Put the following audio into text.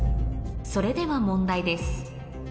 それでは問題です